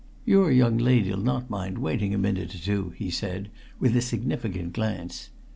"Your young lady'll not mind waiting a minute or two," he said, with a significant glance.